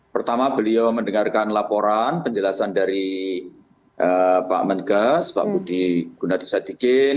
pertama beliau mendengarkan laporan penjelasan dari pak menkes pak budi gunadisadikin